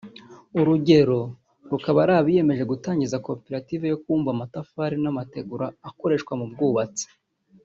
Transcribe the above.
urugero rukaba ari abiyemeje gutangiza koperative yo kubumba amatafari n’amategura akoreshwa mu bwubatsi